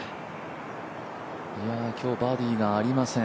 今日、バーディーがありません。